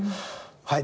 はい。